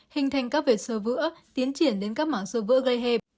hình thành các vệt sờ vỡ tiến triển đến các mảng sờ vỡ gây hẹp